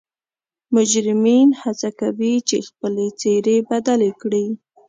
مجرمین حڅه کوي چې خپلې څیرې بدلې کړي